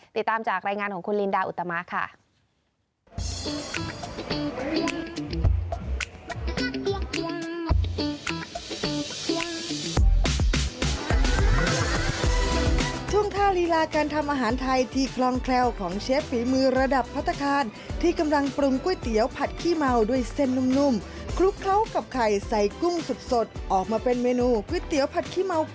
ติดตามจากรายงานของคุณลินดาอุตมะค่ะ